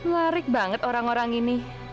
larik banget orang orang ini